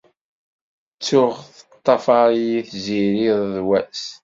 Tuɣ teṭṭafaṛ-iyi Tiziri iḍ d wass.